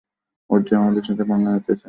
অর্জুন আমাদের সাথে পাঙ্গা নিতে চাইবে।